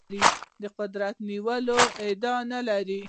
د قدرت د نیولو ادعا نه لري.